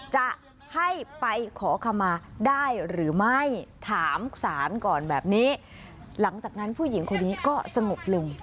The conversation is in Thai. จะให้ไปขอคำมาได้หรือไม่ถามศาลก่อนแบบนี้หลังจากนั้นผู้หญิงคนนี้ก็สงบลง